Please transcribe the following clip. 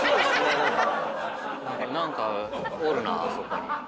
何かおるなあそこに。